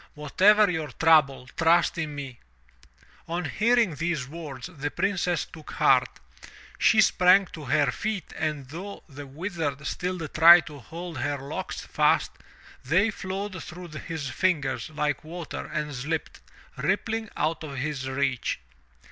Whatever your trouble, trust in me!" On hearing these words, the Princess took heart. She sprang to her feet and though the Wizard still tried to hold her locks fast, they flowed through his fingers like water and slipped, rippling, out of his reach.